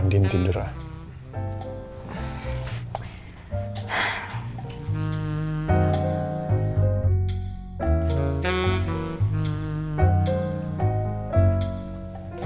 andien tidur lah